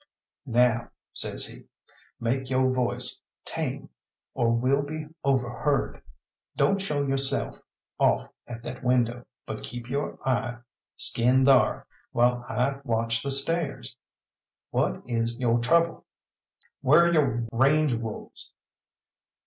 "Now," says he, "make yo' voice tame, or we'll be overheard. Don't show yo'self off at that window, but keep your eyes skinned thar, while I watch the stairs. What is yo' trouble?" "Whar are yo' range wolves?"